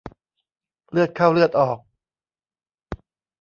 เลือดเข้าเลือดออก